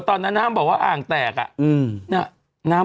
โทษทีน้องโทษทีน้อง